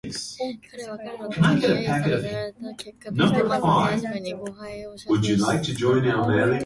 彼は彼の友に揶揄せられたる結果としてまず手初めに吾輩を写生しつつあるのである